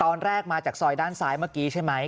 มาจากซอยด้านซ้ายเมื่อกี้ใช่ไหม